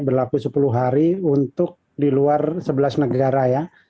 berlaku sepuluh hari untuk di luar sebelas negara ya